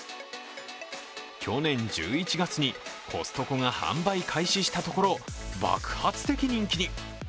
去年１１月に、コストコが販売開始したところ爆発的人気に。